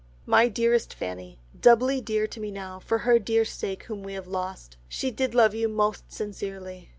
"My dearest Fanny,—Doubly dear to me now for her dear sake whom we have lost. She did love you most sincerely....